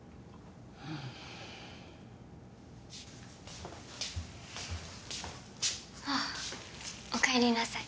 うんあっお帰りなさい